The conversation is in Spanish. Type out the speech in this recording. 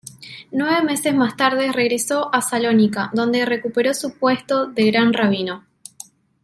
Nueve meses más tarde regresó a Salónica, donde recuperó su puesto de gran rabino.